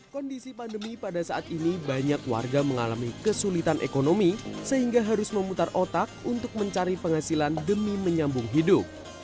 kondisi pandemi pada saat ini banyak warga mengalami kesulitan ekonomi sehingga harus memutar otak untuk mencari penghasilan demi menyambung hidup